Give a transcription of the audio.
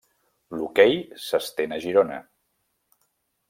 L'hoquei s'estén a Girona.